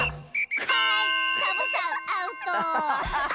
はいサボさんアウト！